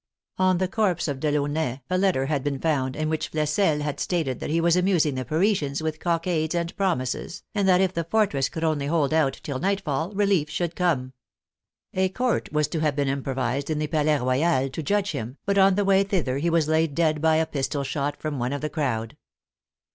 On the corpse of Delaunay a letter had been found, in which Flesselles had stated that he was am.using the Parisians with cock ades and promises, and that if the fortress could only hold out till nightfall relief should come. A Court was to have been improvised in the Palais Royal to judge him, but on the way thither he was laid dead by a pistol shot from one of the crowd.